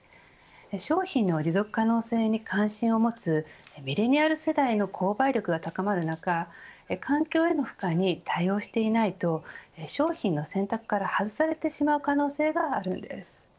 商品の持続可能性に関心を持つミレニアル世代の購買力が高まる中環境への負荷に対応していないと商品の選択から外されてしまう可能性があるんです。